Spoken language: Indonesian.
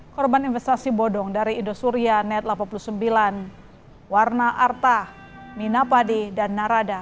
korban investasi bodong dari indosuria net delapan puluh sembilan warna arta minapadi dan narada